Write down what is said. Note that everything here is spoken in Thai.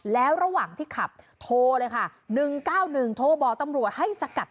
แล้วระหว่างที่ขับโทรเลยค่ะ๑๙๑โทรบอกตำรวจให้สกัด